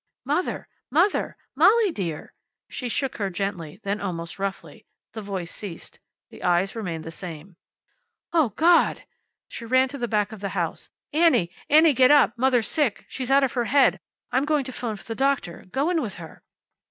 "Mother! Mother! Molly dear!" She shook her gently, then almost roughly. The voice ceased. The eyes remained the same. "Oh, God!" She ran to the back of the house. "Annie! Annie, get up! Mother's sick. She's out of her head. I'm going to 'phone for the doctor. Go in with her."